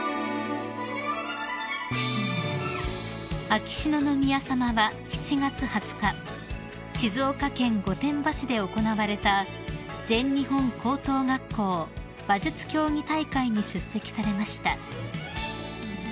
［秋篠宮さまは７月２０日静岡県御殿場市で行われた全日本高等学校馬術競技大会に出席されました］